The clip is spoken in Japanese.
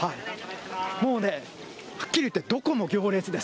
もうね、はっきり言ってどこも行列です。